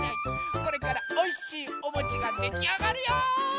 これからおいしいおもちができあがるよ！